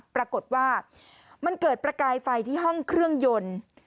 ปรากฏว่ามันเกิดประกายไฟที่ห้องเครื่องยนต์